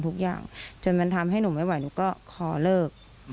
ทุกอย่างจนมันทำให้หนูไม่ไหวหนูก็ขอเลิก